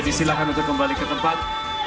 disilahkan untuk kembali ke tempat